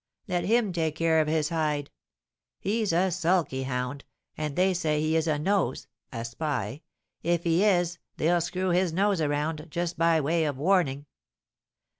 Let him take care of his hide! He's a sulky hound, and they say he is a 'nose' (a spy); if he is, they'll screw his nose around, just by way of warning."